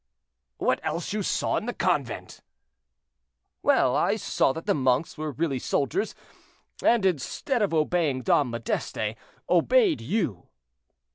"What else you saw in the convent." "Well, I saw that the monks were really soldiers, and instead of obeying Dom Modeste, obeyed you."